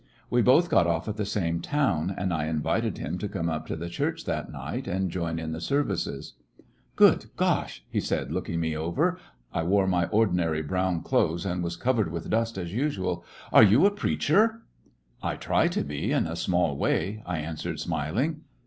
We both got off at the same town, and I invited him to come up to the church that night and join in the services. 38 'jyiisshnarY in tge Great West "Good gosh !'' he said, looking me over— I wore my ordinary brown clothes, and was covered with dust, as usual. "Are you a preacher t" "I try to be, in a small way," I answered, smiling.